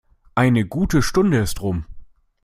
Eine gute Stunde ist rum.